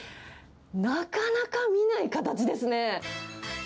なかなか見ない形ですね。